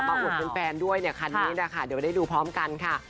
อวดแฟนด้วยเนี่ยคันนี้นะคะเดี๋ยวได้ดูพร้อมกันค่ะ